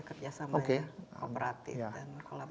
operatif dan kolaboratif